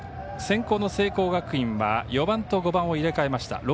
先攻の聖光学院は４番と５番を入れ替えました。